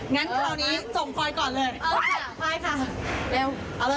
งั้นคราวนี้ส่งพลอยก่อนเลย